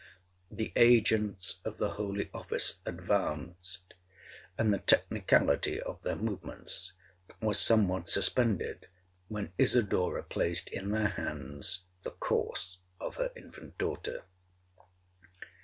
'The agents of the holy office advanced; and the technicality of their movements was somewhat suspended when Isidora placed in their hands the corse of her infant daughter.